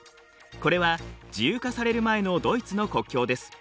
これは自由化される前のドイツの国境です。